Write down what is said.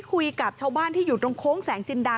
กรอบบันป่ะเตะคริสต์